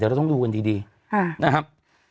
เราต้องดูกันดีนะครับ